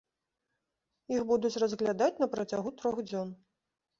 Іх будуць разглядаць на працягу трох дзён.